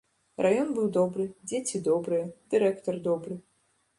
Раён быў добры, дзеці добрыя, дырэктар добры.